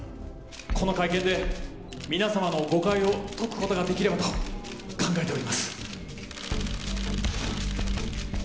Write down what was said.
この会見で皆様の誤解を解くことができればと考えております。